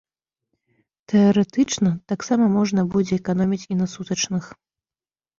Тэарэтычна, таксама можна будзе эканоміць і на сутачных.